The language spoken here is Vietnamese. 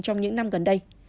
trong những năm gần đây